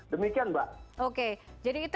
demikian mbak oke jadi itu